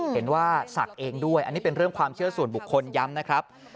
ศักดิ์ว่าศักดิ์เองด้วยอันนี้เป็นเรื่องความเชื่อส่วนบุคคลย้ำนะครับ